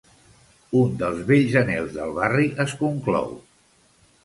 Un dels vells anhels del barri es conclou.